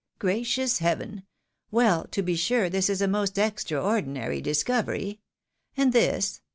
Gracious heaven! Well, to be sure, this is a most extraordinary discovery I And this?